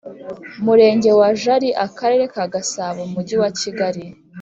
Murcnge wa Jali Akarere ka Gasabo mu Mujyi wa kigali